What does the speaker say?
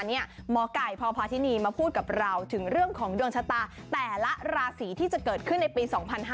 หมอไก่พพาธินีมาพูดกับเราถึงเรื่องของดวงชะตาแต่ละราศีที่จะเกิดขึ้นในปี๒๕๕๙